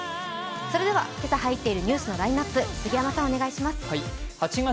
それでは今朝入っているニュースのラインナップ、杉山さん、お願いします。